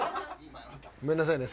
ごめんなさいね。